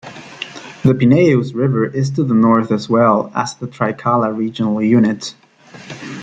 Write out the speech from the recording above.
The Pineios River is to the north as well as the Trikala regional unit.